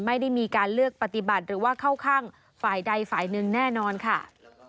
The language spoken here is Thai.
ไม่ได้มีการเลือกปฏิบัติหรือว่าเข้าข้างฝ่ายใดฝ่ายหนึ่งแน่นอนค่ะ